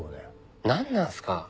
何なんすか？